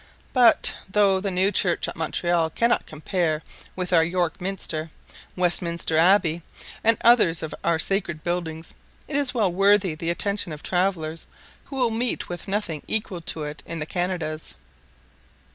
But, though the new church at Montreal cannot compare with our York Minster, Westminster Abbey, and others of our sacred buildings, it is well worthy the attention of travellers, who will meet with nothing equal to it in the Canadas.